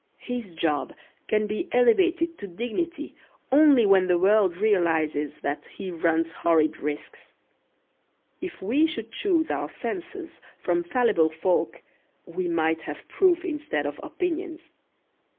His job can be elevated to dignity only when the world realizes that he runs horrid risks. If we should choose our censors from fallible folk we might have proof instead of opinions.